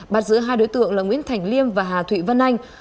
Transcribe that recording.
bắt giữ hai đối tượng là nguyễn thành liêm và hà thụy vân anh